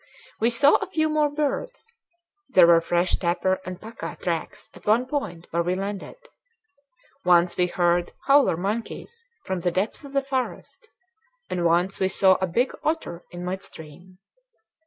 We saw a few more birds; there were fresh tapir and paca tracks at one point where we landed; once we heard howler monkeys from the depth of the forest, and once we saw a big otter in midstream.